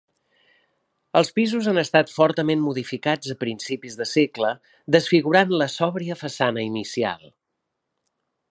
Els pisos han estat fortament modificats a principis de segle, desfigurant la sòbria façana inicial.